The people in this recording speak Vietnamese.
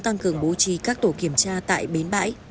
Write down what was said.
tăng cường bố trì các tổ kiểm tra tại bến bãi